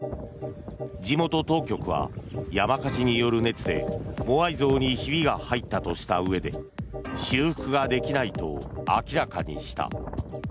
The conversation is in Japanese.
地元当局は山火事による熱でモアイ像にひびが入ったとしたうえで修復ができないと明らかにした。